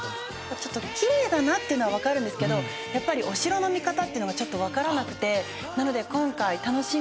ちょっときれいだなっていうのは分かるんですけどやっぱりお城の見方っていうのがちょっと分からなくてなので今回楽しみにしてきました。